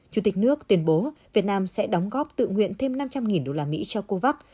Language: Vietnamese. chủ tịch nước tuyên bố việt nam sẽ đóng góp tự nguyện thêm năm trăm linh usd cho covax